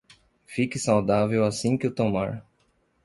Fique saudável assim que o tomar